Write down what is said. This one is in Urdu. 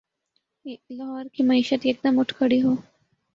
لاہور کی معیشت یکدم اٹھ کھڑی ہو۔